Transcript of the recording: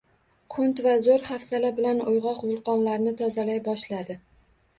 Qunt va zo‘r hafsala bilan uyg‘oq vulqonlarni tozalay boshladi.